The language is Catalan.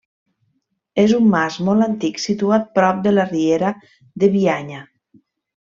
És un mas molt antic situat prop de la Riera de Bianya.